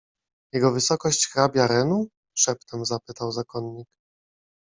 Jego wysokość hrabia Renu? — szeptem zapytał zakonnik.